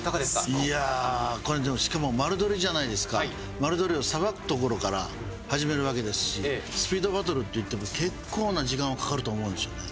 いやーこれでもしかも丸鶏じゃないですか丸鶏をさばくところから始めるわけですしスピードバトルっていっても結構な時間はかかると思うんですよね